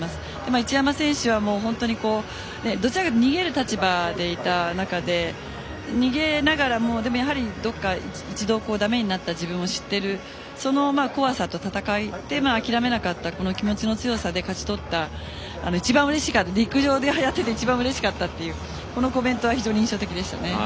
一山選手はどちらかというと逃げる立場でいた中で逃げながらも、どこか一度だめになった自分を知っているその怖さと戦って諦めなかった気持ちの強さで勝ち取って陸上をしてきた中で一番うれしかったというこのコメントが印象的でした。